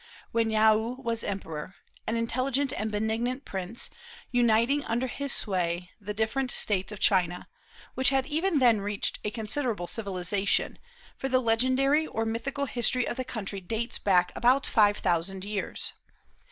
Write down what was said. when Yaou was emperor, an intelligent and benignant prince, uniting under his sway the different States of China, which had even then reached a considerable civilization, for the legendary or mythical history of the country dates back about five thousand years.